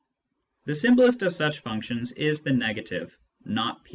The simplest of such functions is the negative, " not ^>."